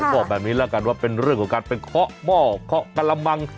บอกแบบนี้แล้วกันว่าเป็นเรื่องของการไปเคาะหม้อเคาะกะละมัง